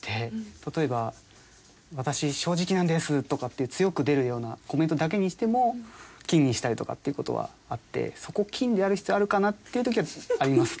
例えば「私正直なんです！」とかっていう強く出るようなコメントだけにしても金にしたりとかっていう事はあってそこ金である必要あるかな？っていう時はありますね。